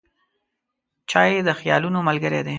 چای د خیالونو ملګری دی.